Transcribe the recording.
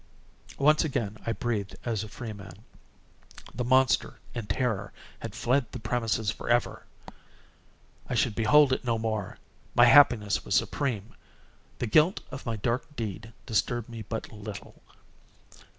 Once again I breathed as a freeman. The monster, in terror, had fled the premises forever! I should behold it no more! My happiness was supreme! The guilt of my dark deed disturbed me but little.